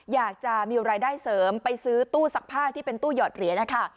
อยากจะมีรายได้เสริมไปซื้อตู้ซักผ้าที่เป็นตู้หยอดเหรียญนะคะ